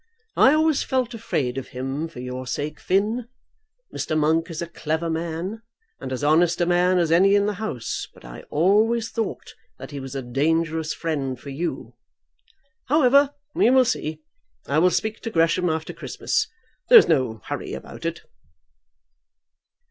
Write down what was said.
"I always felt afraid of him for your sake, Finn. Mr. Monk is a clever man, and as honest a man as any in the House, but I always thought that he was a dangerous friend for you. However, we will see. I will speak to Gresham after Christmas. There is no hurry about it."